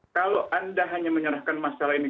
kalau anda hanya menyerahkan masalah ini